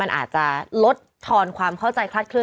มันอาจจะลดทอนความเข้าใจคลาดเคลื